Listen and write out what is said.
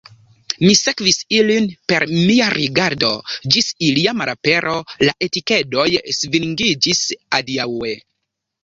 Mi sekvis ilin per mia rigardo, ĝis ilia malapero, la etikedoj svingiĝis adiaŭe.